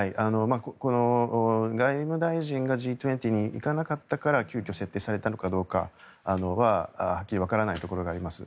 外務大臣がＧ２０に行かなかったから急きょ、設定されたのかどうかははっきりわからないところがあります。